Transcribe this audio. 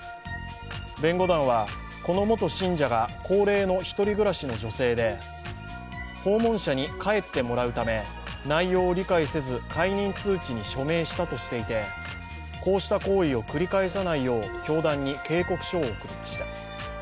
弁護団はこの元信者が高齢のひとり暮らしの女性で、訪問者に帰ってもらうため、内容を理解せず解任通知に署名したとしていてこうした行為を繰り返さないよう教団に警告書を送りました。